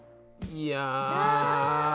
いや！